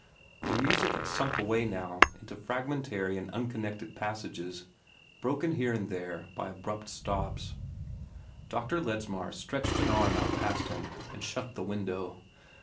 The music had sunk away now into fragmentary and unconnected passages, broken here and there by abrupt stops. Dr. Ledsmar stretched an arm out past him and shut the window.